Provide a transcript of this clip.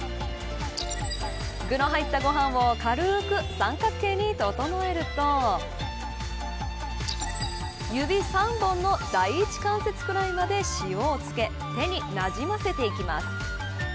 具の入ったご飯を軽く三角形に整えると指３本の第一関節くらいまで塩を付け手になじませていきます。